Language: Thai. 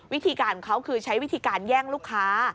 วิธีการของเขาคือใช้วิธีการแย่งลูกค้า